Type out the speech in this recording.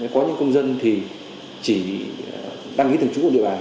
có những công dân thì chỉ đăng ký thường trung của địa bàn